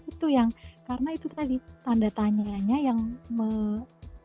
itu yang karena itu tadi tanda tanyaannya yang sumber